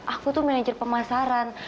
aku tuh manajer pemasaran